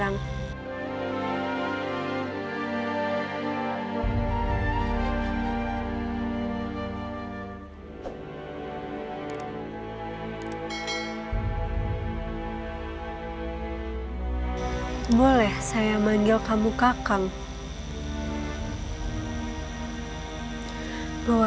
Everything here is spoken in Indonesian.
nyai gak akan tahu